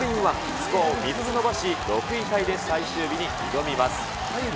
スコアを３つ伸ばし、６位タイで最終日に挑みます。